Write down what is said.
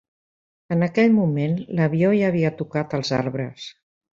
En aquell moment l"avió ja havia tocat els arbres.